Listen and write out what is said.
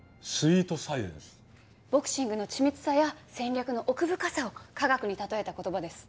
ボクシングの緻密さや戦略の奥深さを科学に例えた言葉です。